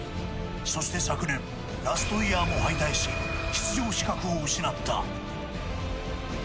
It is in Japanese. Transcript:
そして昨年ラストイヤーも敗退し出場資格を失った。